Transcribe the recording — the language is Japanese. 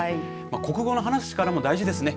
国語の話す力も大事ですね。